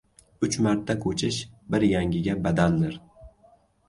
• Uch marta ko‘chish bir yangiga badaldir.